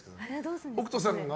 北斗さんが。